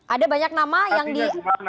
ada banyak nama yang di